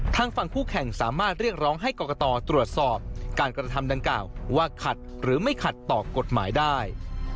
ทางฝั่งผู้แข่งสามารถเรียกร้องให้กรกตตรวจสอบการกระทำดังกล่าวว่าขัดหรือไม่ขัดต่อกฎหมายได้